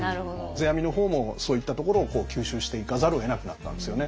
世阿弥の方もそういったところを吸収していかざるをえなくなったんですよね。